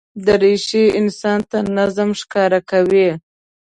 دریشي انسان ته نظم ښکاره کوي.